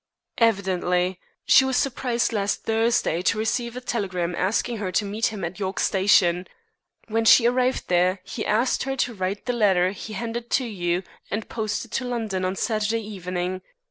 "Evidently. She was surprised last Thursday week to receive a telegram asking her to meet him at York Station. When she arrived there he asked her to write the letter he handed to you and to post it in London on Saturday evening.